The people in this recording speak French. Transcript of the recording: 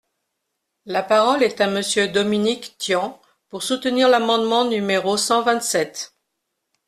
La parole est à Monsieur Dominique Tian, pour soutenir l’amendement numéro cent vingt-sept.